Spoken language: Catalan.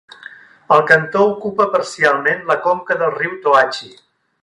El cantó ocupa parcialment la conca del riu Toachi.